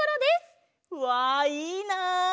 うわいいなあ！